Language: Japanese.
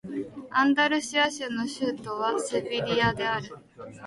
アンダルシア州の州都はセビリアである